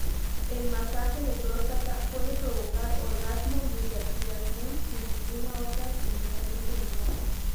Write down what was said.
El masaje de próstata puede provocar orgasmo y eyaculación sin ninguna otra estimulación genital.